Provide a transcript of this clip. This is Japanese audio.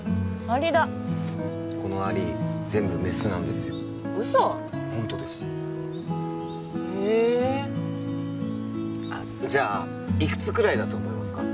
アリだこのアリ全部メスなんですよ嘘ホントですへえあっじゃあいくつくらいだと思いますか？